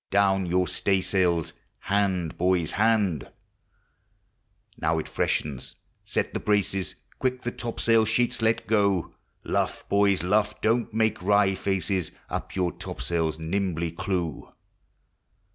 Down your stay sails, hand, boys, hand Now it freshens, set the braces, Quick the topsail sheets let go; Luff, boys, luff ! don't make wry faces, Up your topsails nimbly clew.